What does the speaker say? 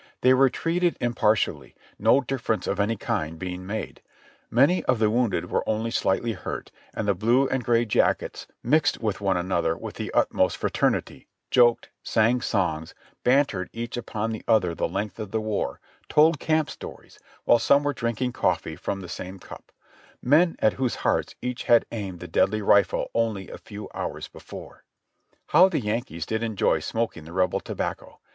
They were treated impartially, no difference of any kind being made. Many of the wounded were only slightly hurt, and the blue and the gray jackets mixed with one another with the utmost fra ternity, joked, sang songs, bantered each other upon the length of the war, told camp stories, while some were drinking coft'ee from the same cup ; men at whose hearts each had aimed the deadly rifle only a few hours before. How the Yankees did enjoy smoking the Rebel tobacco!